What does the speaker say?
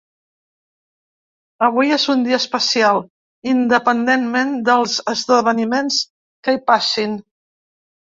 Avui és un dia especial, independentment dels esdeveniments que hi passin.